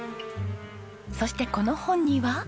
そしてこの本には。